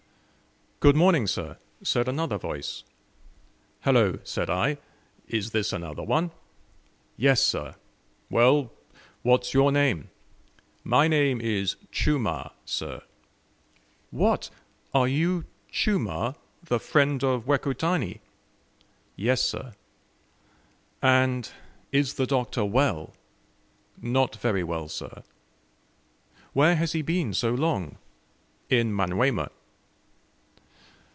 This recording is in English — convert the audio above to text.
"Good morning, sir," said another voice. "Hallo," said I, "is this another one?" "Yes, sir." "Well, what is your name?" "My name is Chumah, sir." "What! are you Chumah, the friend of Wekotani?" "Yes, sir." "And is the Doctor well?" "Not very well, sir." "Where has he been so long?" "In Manyuema."